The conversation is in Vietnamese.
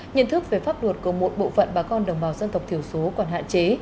nhận thức về pháp luật của một bộ phận bà con đồng bào dân tộc thiểu số còn hạn chế